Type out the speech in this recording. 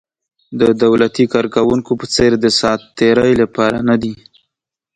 د دولتي کارکوونکو په څېر د ساعت تېرۍ لپاره نه دي.